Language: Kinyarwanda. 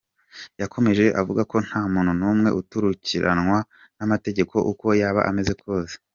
Yakomeje avuga ko nta muntu n’umwe utakurikiranwa n’amategeko uko yaba ameze kose.